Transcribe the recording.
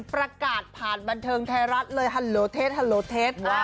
ประกาศผ่านบันเทิงไทยรัฐเลยฮัลโหลเทส